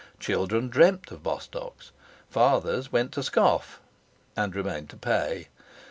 Children dreamt of Bostock's. Fathers went to scoff and remained to pay.